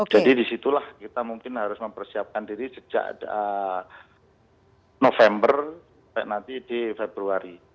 jadi disitulah kita mungkin harus mempersiapkan diri sejak november sampai nanti di februari